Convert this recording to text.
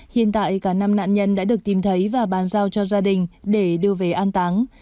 hiện tại cả năm nạn nhân đã được tìm thấy và bàn giao cho gia đình để đưa về an táng